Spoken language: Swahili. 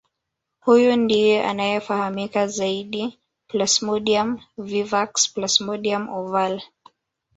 Huyu ndiye anayefahamika zaidi Plasmodium vivax Plasmodium ovale